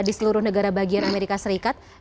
di seluruh negara bagian amerika serikat